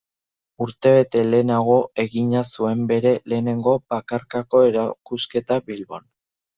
Urtebete lehenago, egina zuen bere lehenengo bakarkako erakusketa, Bilbon.